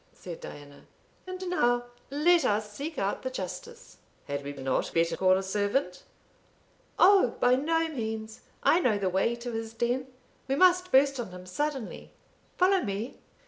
said Diana. "And now let us seek out the Justice." "Had we not better call a servant?" "Oh, by no means; I know the way to his den we must burst on him suddenly follow me."